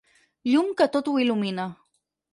Llum que tot ho il·lumina.